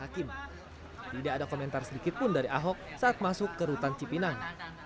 hakim tidak ada komentar sedikit pun dari ahok saat masuk ke rutan cipinang